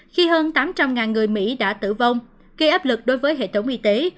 khi hơn tám trăm linh người mỹ đã tử vong gây áp lực đối với hệ thống y tế